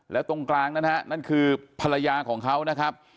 แล้วตรงกลางนะฮะนั่นคือภรรยาของเขานะครับ